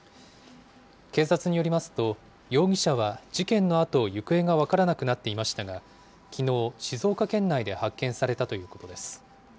警察によりますと、容疑者は事件のあと行方が分からなくなっていましたが、きのう、静岡県内で発見されたということです。